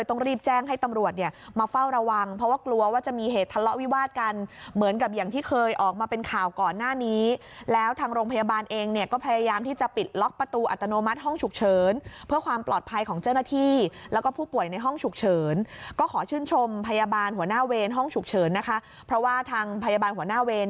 ต้องรีบแจ้งให้ตำรวจเนี่ยมาเฝ้าระวังเพราะว่ากลัวว่าจะมีเหตุทะเลาะวิวาดกันเหมือนกับอย่างที่เคยออกมาเป็นข่าวก่อนหน้านี้แล้วทางโรงพยาบาลเองเนี่ยก็พยายามที่จะปิดล็อกประตูอัตโนมัติห้องฉุกเฉินเพื่อความปลอดภัยของเจ้าหน้าที่แล้วก็ผู้ป่วยในห้องฉุกเฉินก็ขอชื่นชมพยาบาลหัวหน้าเวรห้องฉุกเฉินนะคะเพราะว่าทางพยาบาลหัวหน้าเวร